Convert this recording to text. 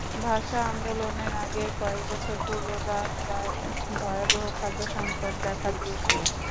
ভাষা আন্দোলনের আগের কয়েক বছর পূর্ব বাংলায় ভয়াবহ খাদ্য-সংকট দেখা দিয়েছিল।